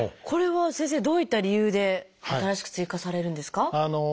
これは先生どういった理由で新しく追加されるんですか？